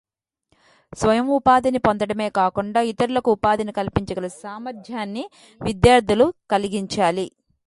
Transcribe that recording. స్వయం ఉపాధిని పొందటమే కాకుండా ఇతరులకూ ఉపాధిని కల్పించగల సామర్థ్యాన్ని విద్యార్థుల్లో కలిగించాలి